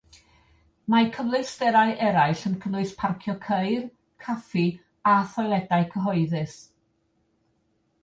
Mae cyfleusterau eraill yn cynnwys parcio ceir, caffi a thoiledau cyhoeddus.